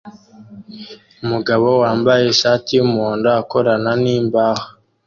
Umugabo wambaye ishati yumuhondo akorana nimbaho